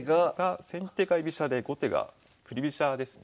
先手が居飛車で後手が振り飛車ですね。